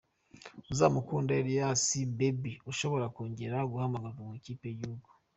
Uzamukunda Elias Baby ushobora kongera guhamagarwa mu ikipe y’igihugu